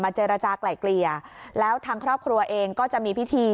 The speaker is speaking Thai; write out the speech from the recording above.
เจรจากลายเกลี่ยแล้วทางครอบครัวเองก็จะมีพิธี